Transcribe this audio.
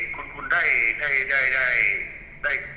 คุณพ่อได้จดหมายมาที่บ้าน